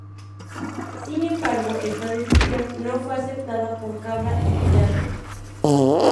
Sin embargo, esta decisión no fue aceptada por Cabra y Fidalgo.